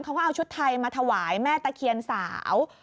เขาก็เอาชุดไทยมาถวายแม่ตะเคียนสาว